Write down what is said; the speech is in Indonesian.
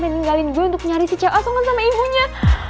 ninggalin gue untuk nyari si c a songan sama ibunya